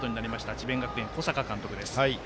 智弁学園の小坂監督です。